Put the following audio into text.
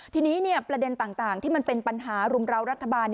ทีนี้ประเด็นต่างที่มันเป็นปัญหารุมราวรัฐบาล